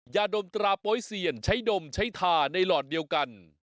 ยาดมตราโป๊ยเซียนใช้ดมใช้ทาในหลอดเดียวกัน